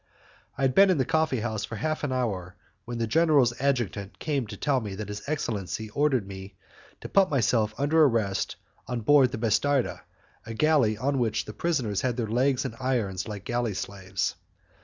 I had been in the coffee house for half an hour when the general's adjutant came to tell me that his excellency ordered me to put myself under arrest on board the bastarda, a galley on which the prisoners had their legs in irons like galley slaves.